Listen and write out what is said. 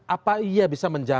oke mas indra